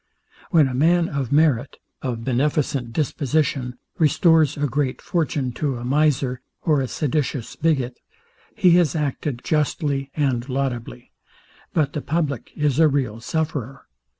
When a man of merit, of a beneficent disposition, restores a great fortune to a miser, or a seditious bigot, he has acted justly and laudably, but the public is a real sufferer.